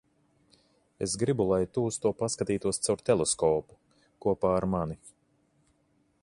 Es gribu, lai tu uz to paskatītos caur teleskopu - kopā ar mani.